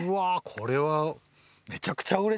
これは。